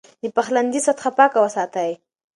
د پخلنځي سطحه پاکه وساتئ.